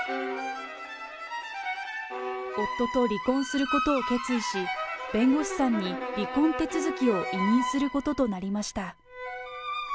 夫と離婚することを決意し、弁護士さんに離婚手続きを委任することとなりました。